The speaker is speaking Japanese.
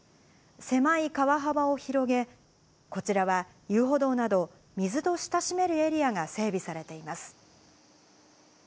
狭い川幅を広げ、こちらは遊歩道など、水と親しめるエリアが整備されています。